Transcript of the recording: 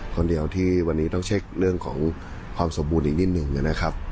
คนเดียวที่วันนี้ต้องเช็คเรื่องของความสมบูรณ์อีกนิดหนึ่งนะครับ